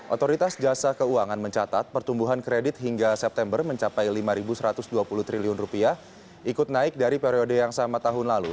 otoritas jasa keuangan mencatat pertumbuhan kredit hingga september mencapai rp lima satu ratus dua puluh triliun rupiah ikut naik dari periode yang sama tahun lalu